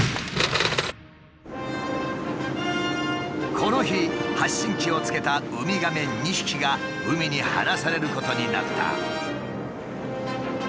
この日発信機をつけたウミガメ２匹が海に放されることになった。